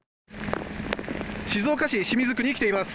静岡市清水区に来ています。